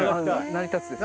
成り立つですね。